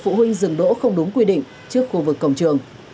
phụ huynh dừng đỗ không đúng quy định trước khu vực cổng trường